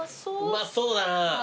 うまそうだな。